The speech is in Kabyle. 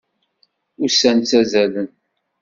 Ussan ttazalen.